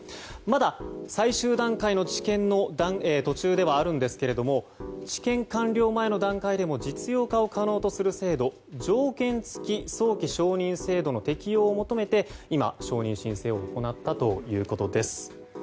まだ最終段階の治験の途中ではあるんですが治験完了前の段階でも実用化を可能とする制度条件付き早期承認制度の適用を求めて今、承認申請を行ったということです。